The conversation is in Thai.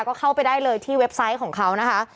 ก็เข้าไปได้เลยที่เว็บไซต์ของเขานะคะ